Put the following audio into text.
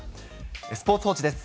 スポーツ報知です。